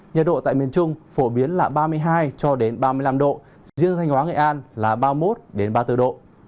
nhiệt độ tại miền trung phổ biến là ba mươi hai cho đến ba mươi năm độ riêng thanh hóa nghệ an là ba mươi một ba mươi bốn độ